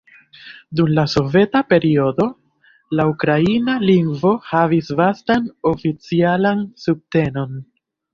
Dum la soveta periodo, la ukraina lingvo havis vastan oficialan subtenon.